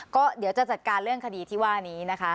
ก็เดี๋ยวจะจัดการเรื่องคดีที่ว่านี้นะคะ